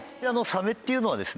サメっていうのはですね